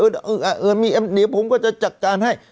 เดี๋ยวผมก็จะจัดการให้